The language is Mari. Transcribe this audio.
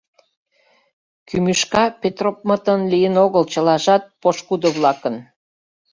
Кӱмӱшка Петропмытын лийын огыл, чылажат — пошкудо-влакын.